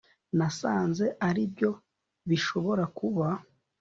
nasanze aribyo bishobora kuba